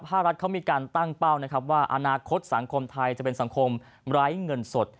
ภาครัฐเขามีการตั้งเป้านะครับว่าอนาคตสังคมไทยจะเป็นสังคมไร้เงินสด